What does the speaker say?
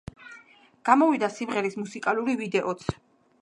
გამოვიდა სიმღერის მუსიკალური ვიდეოც.